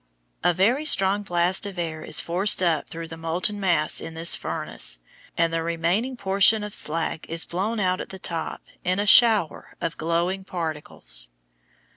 A very strong blast of air is forced up through the molten mass in this furnace, and the remaining portion of slag is blown out at the top in a shower of glowing particles.